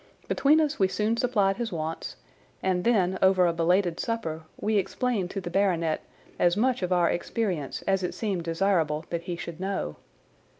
Between us we soon supplied his wants, and then over a belated supper we explained to the baronet as much of our experience as it seemed desirable that he should know.